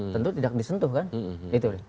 tentu tidak disentuh kan itu